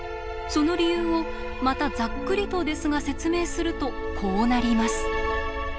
その理由をまたざっくりとですが説明するとこうなります。